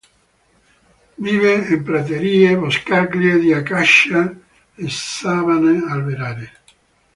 Vive in praterie, boscaglie di Acacia e savane alberate.